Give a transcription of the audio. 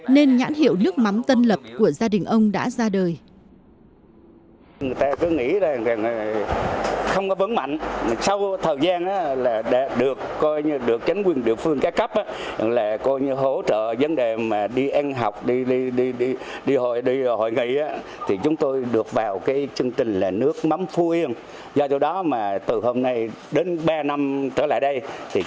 nên nhãn hiệu nước mắm tân lập của gia đình ông đã ra đời